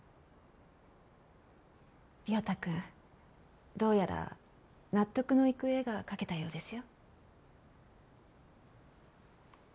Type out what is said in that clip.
涼太くんどうやら納得のいく絵が描けたようですよ。